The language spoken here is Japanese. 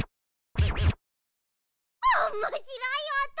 おもしろいおと！